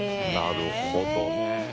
なるほどね。